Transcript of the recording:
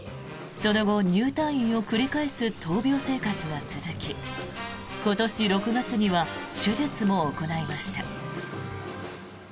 その後、入退院を繰り返す闘病生活が続き今年６月には手術も行いました。